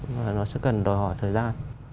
và nó sẽ cần đòi hỏi thời gian